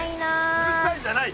うるさいじゃない！